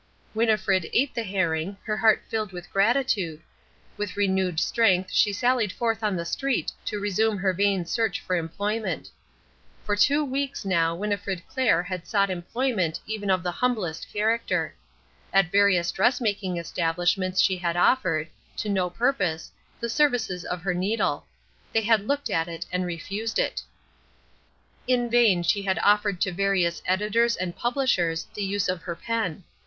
Winnifred ate the herring, her heart filled with gratitude. With renewed strength she sallied forth on the street to resume her vain search for employment. For two weeks now Winnifred Clair had sought employment even of the humblest character. At various dress making establishments she had offered, to no purpose, the services of her needle. They had looked at it and refused it. In vain she had offered to various editors and publishers the use of her pen.